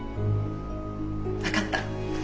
分かった。